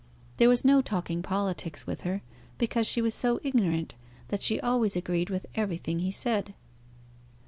There was no talking politics with her, because she was so ignorant that she always agreed with everything he said.